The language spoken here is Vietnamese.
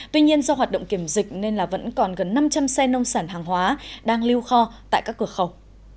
tuy nhiên do hoạt động kiểm dịch nên vẫn còn gần năm trăm linh xe nông sản hàng hóa đang lưu kho tại các cửa khẩu